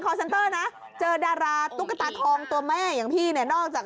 เซนเตอร์นะเจอดาราตุ๊กตาทองตัวแม่อย่างพี่เนี่ยนอกจาก